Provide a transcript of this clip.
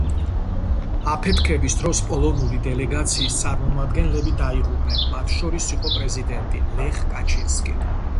აფეთქების დროს პოლონური დელეგაციის წარმომადგენლები დაიღუპნენ, მათ შორის იყო პრეზიდენტი ლეხ კაჩინსკი.